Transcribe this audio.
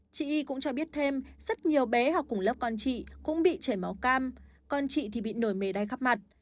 chị y cũng cho biết thêm rất nhiều bé học cùng lớp con chị cũng bị chảy máu cam con chị thì bị nồi mề đay khắp mặt